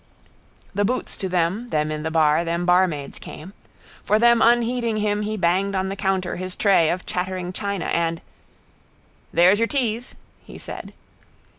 The boots to them, them in the bar, them barmaids came. For them unheeding him he banged on the counter his tray of chattering china. And —There's your teas, he said.